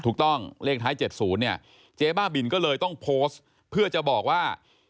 ถูกต้องเลขท้าย๗๐เนี่ยเจ๊บ้าบินก็เลยต้องโพสต์เพื่อจะบอกว่า